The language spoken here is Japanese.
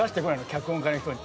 脚本家の人に。